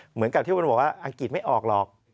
เหมือนกับที่คุณบอกว่าอังกฤษไม่ออกหรอก